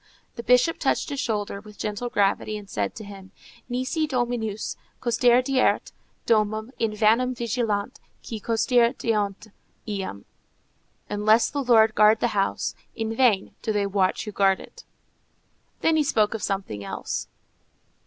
The Bishop touched his shoulder, with gentle gravity, and said to him, _"Nisi Dominus custodierit domum, in vanum vigilant qui custodiunt eam," Unless the Lord guard the house, in vain do they watch who guard it._ Then he spoke of something else.